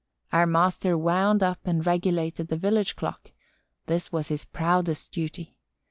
Our master wound up and regulated the village clock. This was his proudest duty.